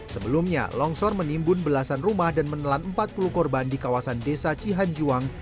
sebelumnya longsor menimbun belasan rumah dan menelan empat puluh korban di kawasan desa cihanjuang